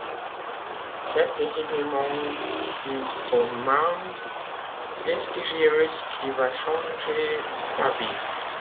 Et c'est précisément une commande prestigieuse qui va changer sa vie.